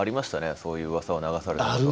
そういううわさを流されるとか。